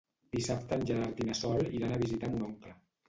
Dissabte en Gerard i na Sol iran a visitar mon oncle.